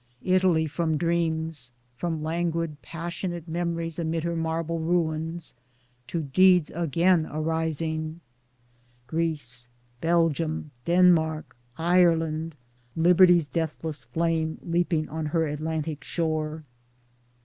Italy from dreams, from languid passionate memories amid her marble ruins, to deeds again arising ; Greece ; Belgium ; Denmark ; Ireland — liberty's deathless flame leaping on her Atlantic Shore